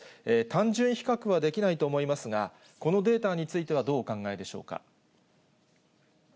単純比較はできないと思いますが、このデータについてはどうお考えでしょうか。